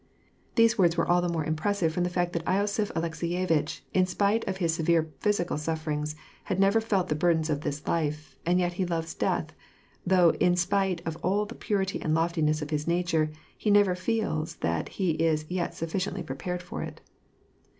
These words were all the more impressive from the fact that losiph Alekseyevitch, in spite of his severe physical sufferings, has never felt the burdens of this life, and yet he loves death, though in spite of all the purity ami loftiness of his nature, he never feels that he is as yet suffi ciently prepared for it.